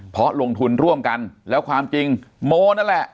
เพราะลงทุนร่วมกันแล้วความจริงโมนั่นแหละ